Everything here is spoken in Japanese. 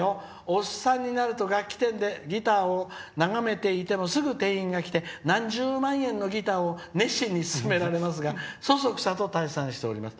おっさんになると楽器店でギターを眺めていてもすぐ店員が来て何十万円のギターを熱心に勧められますがそそくさと退散しています。